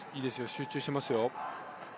集中していますよ。